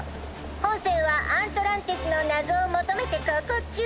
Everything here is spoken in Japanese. ほんせんはアントランティスのなぞをもとめてこうこうちゅう。